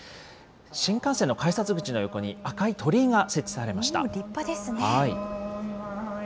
新幹線の改札口の横に、赤い鳥居が設置されました。